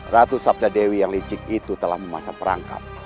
ratu sabda dewi yang licik itu telah memasak perangkap